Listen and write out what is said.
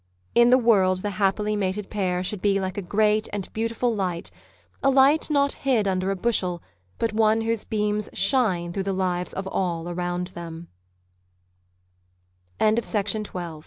In the world the happily mated pair should be like a great and beautiful light; a light not hid under a bushel, but one whose beams shine through the lives ot